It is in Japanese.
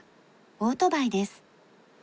オートバイです。